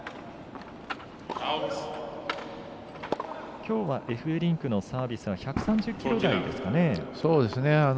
きょうはエフベリンクのサービスは１３０キロ台ですかね。